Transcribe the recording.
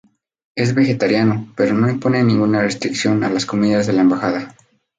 Es vegetariano, pero no impone ninguna restricción a las comidas de la embajada.